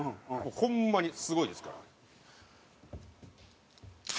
ホンマにすごいですから。